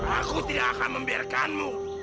aku tidak akan membiarkanmu